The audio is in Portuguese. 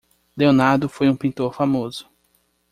Leonardo foi um pintor famoso.